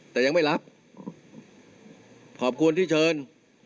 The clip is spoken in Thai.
แต่ยังไม่รับขอบคุณที่เชิญ